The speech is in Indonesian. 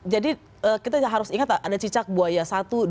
jadi kita harus ingat ada cicak buaya satu dua tiga